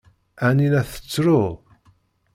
Ɛni la tettru?